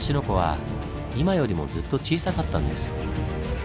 湖は今よりもずっと小さかったんです。